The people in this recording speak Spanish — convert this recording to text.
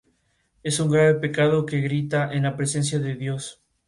Es un grave pecado que grita en la presencia de Dios.!